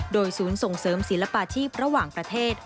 โดยศูนย์ส่งเสริมศิลปาชีพระหว่างประเทศ